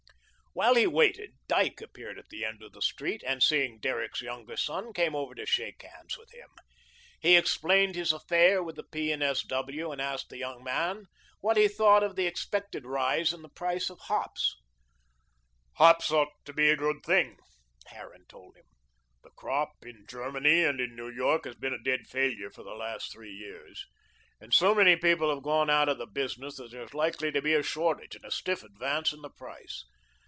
While he waited, Dyke appeared at the end of the street, and, seeing Derrick's younger son, came over to shake hands with him. He explained his affair with the P. and S. W., and asked the young man what he thought of the expected rise in the price of hops. "Hops ought to be a good thing," Harran told him. "The crop in Germany and in New York has been a dead failure for the last three years, and so many people have gone out of the business that there's likely to be a shortage and a stiff advance in the price.